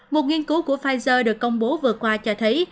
một nghiên cứu của pfizer được công bố vừa qua cho thấy